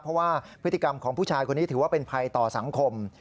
เพราะว่าพฤติกรรมของผู้ชายคนนี้ถือว่าเป็นภัยต่อสังคม